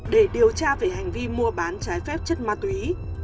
để điều tra về hành vi mua bán trái phép chất ma túy